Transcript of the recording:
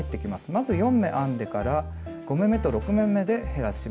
まず４目編んでから５目めと６目めで減らし目をします。